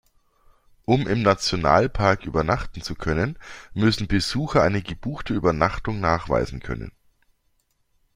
Um im Nationalpark übernachten zu können, müssen Besucher eine gebuchte Übernachtung nachweisen können.